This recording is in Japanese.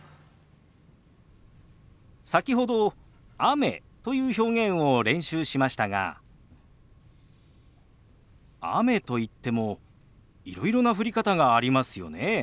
先ほど「雨」という表現を練習しましたが雨といってもいろいろな降り方がありますよね。